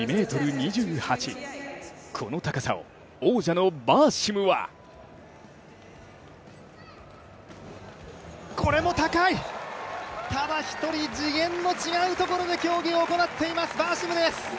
２ｍ２８、この高さを王者のバーシムはこれも高い、ただ１人、次元の違うところで競技を行っています、バーシムです。